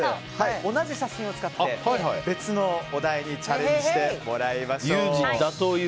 同じ写真を使って、別のお題にチャレンジしてもらいましょう。